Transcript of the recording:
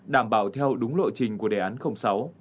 đảm bảo theo đúng lộ trình của đề án sáu